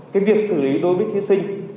cái việc xử lý đối với thí sinh